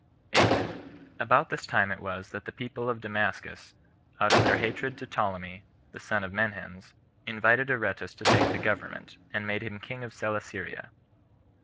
8. About this time it was that the people of Damascus, out of their hatred to Ptolemy, the son of Menhens, invited Aretas [to take the government], and made him king of Celesyria.